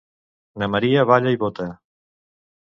Na Maria balla i bota